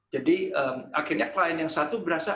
jadi akhirnya klien yang satu berasa